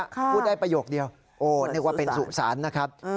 พูดได้ประโยคเดียวโอ้นึกว่าเป็นสุสานนะครับ